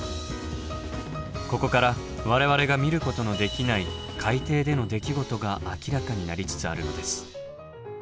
ここから我々が見ることのできない海底での出来事が明らかになりつつあるのです。